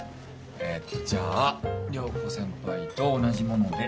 えっとじゃあ涼子先輩と同じもので。